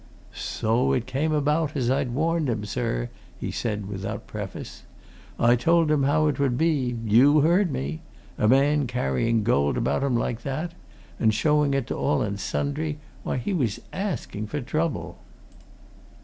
"So it came about as I'd warned him, sir!" he said, without preface. "I told him how it would be. You heard me! A man carrying gold about him like that! and showing it to all and sundry. Why, he was asking for trouble!"